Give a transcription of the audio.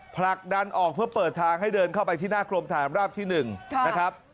ผลักดันออกเพื่อเปิดทางให้เดินเข้าไปที่หน้ากรมฐานราบที่๑นะครับ